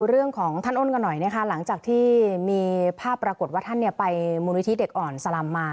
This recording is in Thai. เรื่องของท่านอ้นกันหน่อยนะคะหลังจากที่มีภาพปรากฏว่าท่านไปมูลนิธิเด็กอ่อนสลำมา